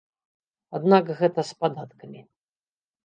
Аднак гэта з падаткамі.